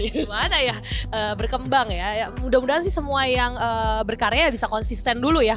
gimana ya berkembang ya mudah mudahan sih semua yang berkarya bisa konsisten dulu ya